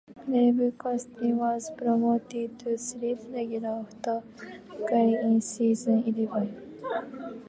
Caleb Castille was promoted to series regular after recurring in season eleven.